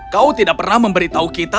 kau tidak pernah memberitahu kita